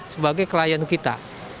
sebagai klien kita